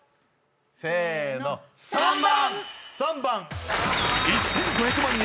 せーの３番！